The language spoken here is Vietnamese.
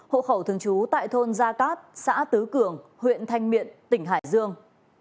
hộ khẩu thường trú tại thôn gia cát xã tứ cường huyện thanh miện tỉnh hải dương